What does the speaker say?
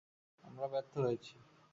আমরা ব্যর্থ হয়েছি।